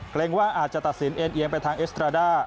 กลังว่าอาจจะตัดสินเอิ้นเอียงไปทางเอสเทราด้าม